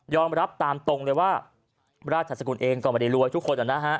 ยอมรับตามตรงเลยว่าราชาสกุลเองก่อนวันเดียวรวยทุกคน